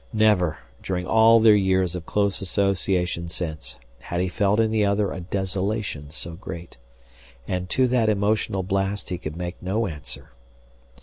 Never, during all their years of close association since, had he felt in the other a desolation so great. And to that emotional blast he could make no answer.